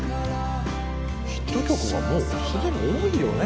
ヒット曲がもう既に多いよね。